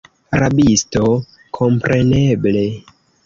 Rabisto, kompreneble!